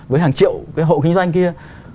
với hàng triệu cái hộ kinh doanh kia